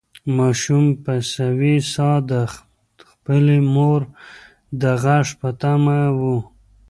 ماشوم په سوې ساه د خپلې مور د غږ په تمه و.